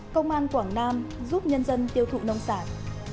công an quảng nam giúp nhân dân tiêu thụ nông sản